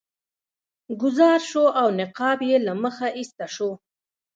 غوځار شو او نقاب یې له مخه ایسته شو.